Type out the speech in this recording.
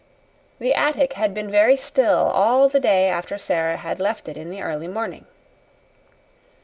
The attic had been very still all the day after Sara had left it in the early morning.